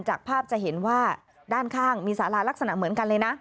จากภาพจะเห็นว่าด้านข้างมีสาราลักษณะเหมือนกันเลยนะ